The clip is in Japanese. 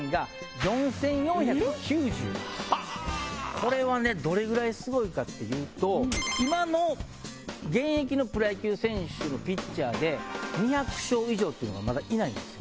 これはねどれぐらいすごいかっていうと今の現役のプロ野球選手のピッチャーで２００勝以上っていうのはまだいないんですよ。